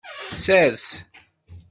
Sers.